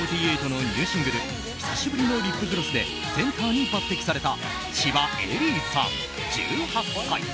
ＡＫＢ４８のニューシングル「久しぶりのリップグロス」でセンターに抜擢された千葉恵里さん、１８歳。